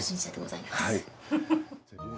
はい。